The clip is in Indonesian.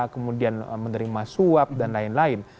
kemudian menerima suap dan lain lain